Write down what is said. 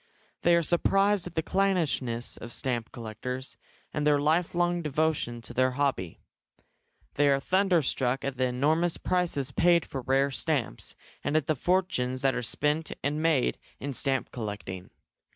They are surprised at the clannishness of stamp collectors, and their lifelong devotion to their hobby. They are thunderstruck at the enormous prices paid for rare stamps, and at the fortunes that are spent and made in stamp collecting.